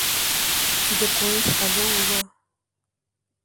— Тиде койыш але уло.